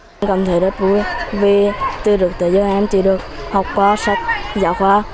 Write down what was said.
tôi cảm thấy rất vui vì tôi được tới giữa em tôi được học khóa sách giáo khóa